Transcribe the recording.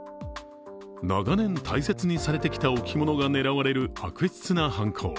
長年大切にされてきた置物が狙われる悪質な犯行。